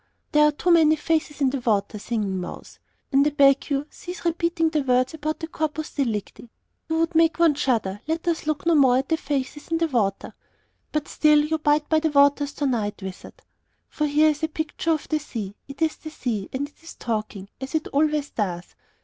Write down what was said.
There are too many faces in the water, Singing Mouse; and I beg you, cease repeating the words about the Corpus Delicti! You would make one shudder. Let us look no more at the faces in the water. But still you bide by the waters tonight, wizard; for here is a picture of the sea. It is the sea, and it is talking, as it always does.